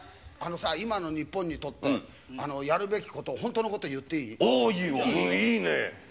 今の日本にとってやるべきこと、本当のこと言っていい？